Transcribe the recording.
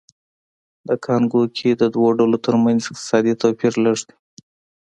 د کانګو کې د دوو ډلو ترمنځ اقتصادي توپیر لږ دی